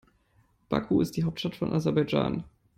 Baku ist die Hauptstadt von Aserbaidschan.